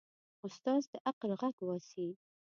استاد د عقل غږ باسي.